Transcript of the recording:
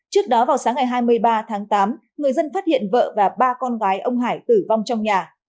trước đó vào sáng ngày hai mươi ba tháng tám người dân phát hiện vợ và ba con gái ông hải tử vong trong nhà